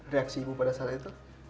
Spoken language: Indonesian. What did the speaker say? reaksi ibu pada saat itu